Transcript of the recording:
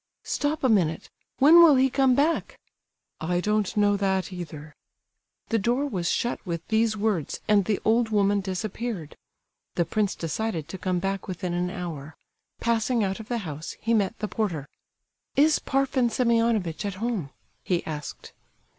"Stop a minute! When will he come back?" "I don't know that either." The door was shut with these words, and the old woman disappeared. The prince decided to come back within an hour. Passing out of the house, he met the porter. "Is Parfen Semionovitch at home?" he asked.